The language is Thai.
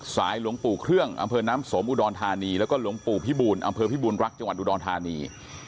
หลวงปู่เครื่องอำเภอน้ำสมอุดรธานีแล้วก็หลวงปู่พิบูลอำเภอพิบูรรักจังหวัดอุดรธานี